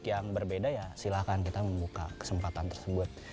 yang berbeda ya silahkan kita membuka kesempatan tersebut